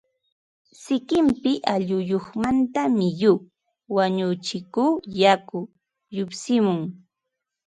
sikinpi ulluyunmanta miyu (wañuchikuq yaku) lluqsimun